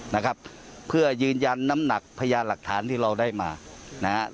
นะครับเพื่อยืนยันน้ำหนักพยานหลักฐานที่เราได้มานะฮะ